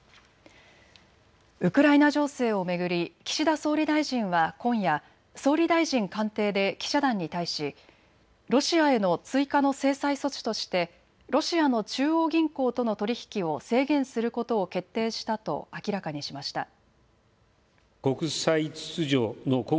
ウクライナ情勢を巡り岸田総理大臣は今夜、総理大臣官邸で記者団に対しロシアへの追加の制裁措置としてロシアの中央銀行との取り引きを制限することを決定したと明らかにしました。